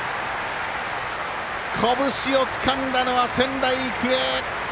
こぶしをつかんだのは仙台育英。